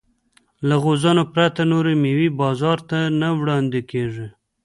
له غوزانو پرته نورې مېوې بازار ته نه وړاندې کېږي.